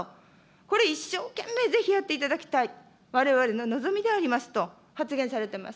これ一生懸命、ぜひやっていただきたい、われわれの望みでありますと発言されてます。